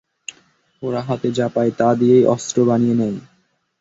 ওরা হাতে যা পায় তা দিয়েই অস্ত্র বানিয়ে নেয়।